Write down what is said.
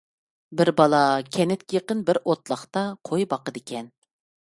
بىر بالا كەنتكە يېقىن بىر ئوتلاقتا قوي باقىدىكەن.